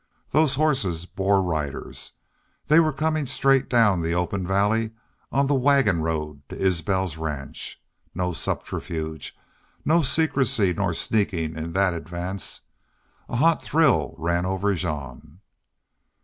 Those horses bore riders. They were coming straight down the open valley, on the wagon road to Isbel's ranch. No subterfuge nor secrecy nor sneaking in that advance! A hot thrill ran over Jean.